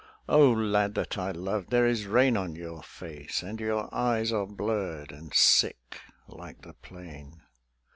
"O lad that I loved, there is rain on your face, And your eyes are blurred and sick like the plain."